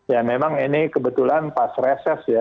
ya memang ini kebetulan pas reses ya